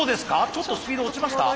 ちょっとスピード落ちました？